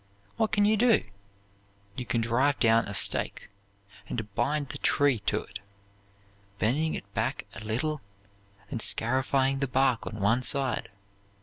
What can you do? You can drive down a stake, and bind the tree to it, bending it back a little, and scarifying the bark on one side.